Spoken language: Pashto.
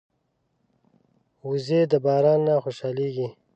وزې د باران نه خوشحالېږي